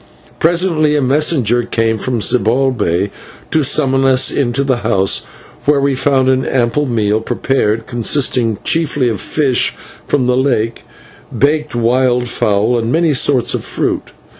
Presently a messenger came from Zibalbay to summon us into the house, where we found an ample meal prepared, consisting chiefly of fish from the lake, baked wild fowl, and many sorts of fruit.